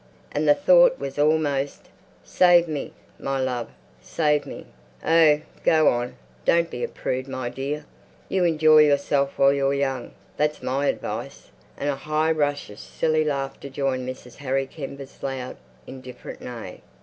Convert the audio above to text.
And the thought was almost, "Save me, my love. Save me!" ... "Oh, go on! Don't be a prude, my dear. You enjoy yourself while you're young. That's my advice." And a high rush of silly laughter joined Mrs. Harry Kember's loud, indifferent neigh.